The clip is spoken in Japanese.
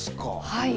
はい。